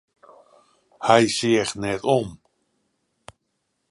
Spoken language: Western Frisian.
Hy seach net om.